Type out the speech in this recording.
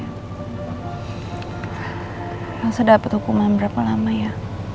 sudah dapat hukuman berapa lama ya